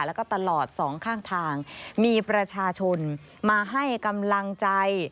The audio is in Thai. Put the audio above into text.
แล้วก็ตลอดสองข้างทางมีประชาชนมาให้กำลังใจ